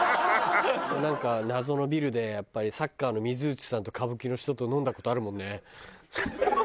なんか謎のビルでやっぱりサッカーの水内さんと歌舞伎の人と飲んだ事あるもんね。